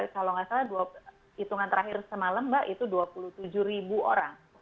kalau nggak salah hitungan terakhir semalam mbak itu dua puluh tujuh ribu orang